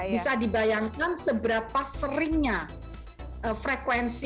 bisa dibayangkan seberapa seringnya frekuensi atau kondisi